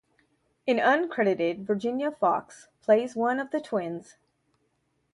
An uncredited Virginia Fox plays one of the twins.